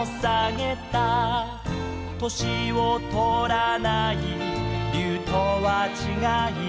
「年をとらない竜とはちがい」